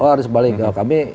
oh arus balik